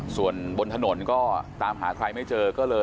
ส่วนบนถนนก็ตามหาใครไม่เจอก็เลย